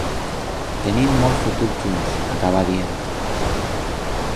Tenim molt futur junts, acabà dient.